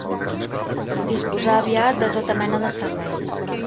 Disposà aviat de tota mena de serveis.